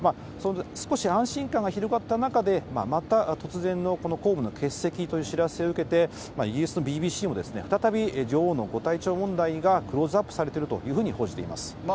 少し安心感が広がった中で、また突然の公務の欠席という知らせを受けて、イギリスのＢＢＣも再び女王のご体調問題がクローズアップされてるというふうに報じています。